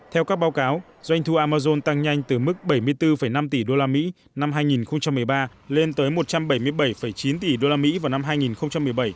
theo các báo cáo doanh thu amazon tăng nhanh từ mức bảy mươi bốn năm tỷ usd năm hai nghìn một mươi ba lên tới một trăm bảy mươi bảy chín tỷ usd vào năm hai nghìn một mươi bảy